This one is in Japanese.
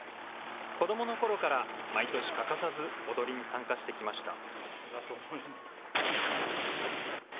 子どものころから毎年欠かさず踊りに参加してきました。